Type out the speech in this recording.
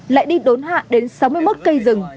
lại đi đốn hạ đến sáu mươi một cây rừng